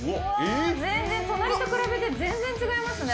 隣と比べて、全然違いますね。